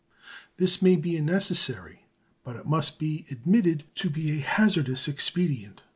This may be a necessary, but it must be admitted to be a hazardous expedient.